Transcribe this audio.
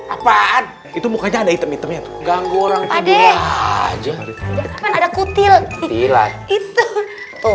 apaan itu mukanya ada item itemnya tuh ganggu orang aja ada kutil kutilan itu